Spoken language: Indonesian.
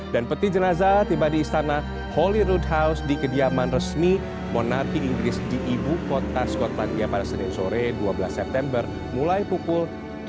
dan peti jenazah tiba di istana holyrood house di kediaman resmi monarki inggris di ibu kota skotlandia pada senin sore dua belas september mulai pukul tujuh belas